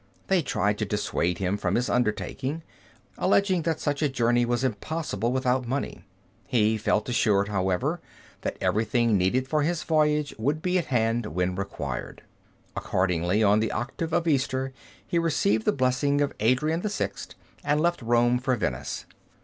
They tried to dissuade him from his undertaking, alleging that such a journey was impossible without money. He felt assured, however, that everything needed for his voyage would be at hand when required. Accordingly, on the octave of Easter, he received the blessing of Adrian VI and left Rome for Venice.